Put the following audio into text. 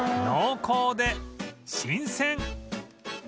濃厚で新鮮